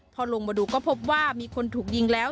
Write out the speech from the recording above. พอลงมาดูก็พบว่ามีคนถูกยิงแล้ว